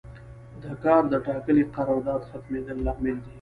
د کار د ټاکلي قرارداد ختمیدل لامل دی.